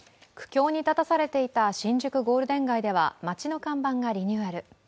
苦境に立たされていた新宿ゴールデン街では街の看板がリニューアル。